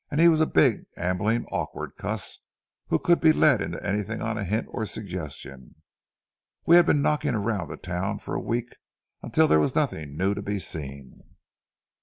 He was a big, ambling, awkward cuss, who could be led into anything on a hint or suggestion. We had been knocking around the town for a week, until there was nothing new to be seen.